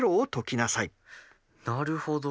なるほど。